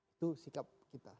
itu sikap kita